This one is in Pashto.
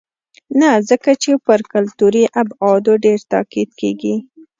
نه ځکه چې پر کلتوري ابعادو ډېر تاکید کېږي.